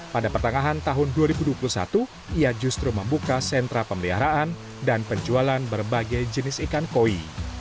pada pertengahan tahun dua ribu dua puluh satu ia justru membuka sentra pemeliharaan dan penjualan berbagai jenis ikan koi